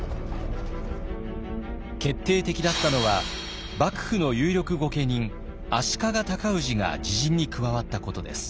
決定的だったのは幕府の有力御家人足利尊氏が自陣に加わったことです。